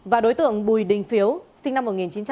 và đối tượng bùi đình phiếu sinh năm một nghìn chín trăm bảy mươi hai